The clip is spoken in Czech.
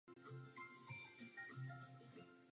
Je to příklad dokonalé interinstitucionální spolupráce.